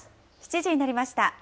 ７時になりました。